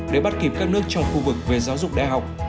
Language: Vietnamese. để bắt kịp các nước trong khu vực về giáo dục đại học